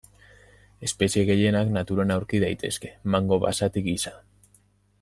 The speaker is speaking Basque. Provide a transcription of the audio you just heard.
Espezie gehienak naturan aurki daitezke, mango basati gisa.